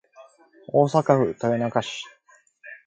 大阪府豊中市